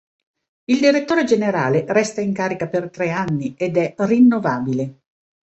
Il direttore generale resta in carica per tre anni ed è rinnovabile.